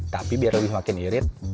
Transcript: tapi biar lebih makin irit